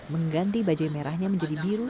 mengganti bajaj merahnya menjadi biru